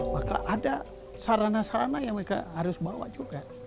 maka ada sarana sarana yang mereka harus bawa juga